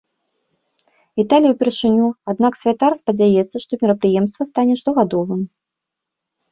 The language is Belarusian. Італіі ўпершыню, аднак святар спадзяецца, што мерапрыемства стане штогадовым.